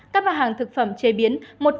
các bà hàng thực phẩm chế biến